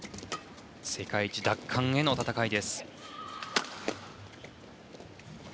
世界一奪還への戦い。